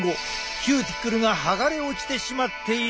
キューティクルが剥がれ落ちてしまっている。